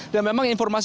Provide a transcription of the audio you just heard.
dan memang informasi